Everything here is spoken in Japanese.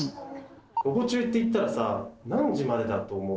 午後中って言ったらさ何時までだと思う？